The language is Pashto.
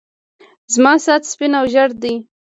زما ساعت سپين او ژړ دی.